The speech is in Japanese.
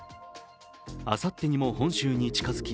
あさってにも本州に近づき